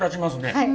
はい。